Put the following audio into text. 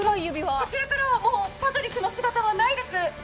こちらはもうパトリックの姿はないです。